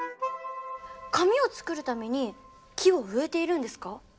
紙を作るために木を植えているんですか？